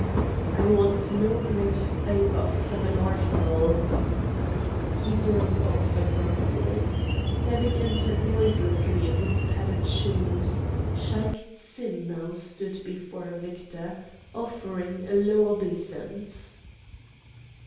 "I want no greater favour of Heaven or Hell—!" He broke off abruptly. Having entered noiselessly in his padded shoes, Shaik Tsin now stood before Victor, offering a low obeisance.